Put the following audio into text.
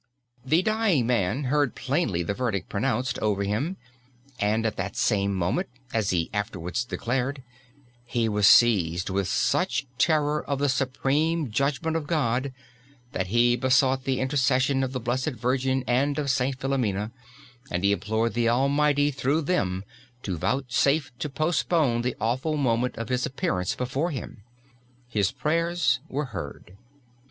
The dying man heard plainly the verdict pronounced over him and at that same moment, as he afterwards declared, he was seized with such terror of the supreme judgment of God, that he besought the intercession of the Blessed Virgin and of St. Philomena, and he implored the Almighty through them to vouchsafe to postpone the awful moment of his appearance before Him. His prayers were heard.